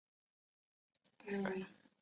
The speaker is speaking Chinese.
维拉克。